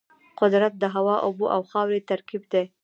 قدرت د هوا، اوبو او خاورو ترکیب دی.